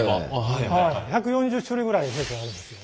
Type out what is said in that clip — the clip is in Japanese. １４０種類ぐらい弊社はあるんですね。